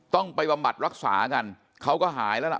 ต้องไปบำบัดรักษากันเขาก็หายแล้วล่ะ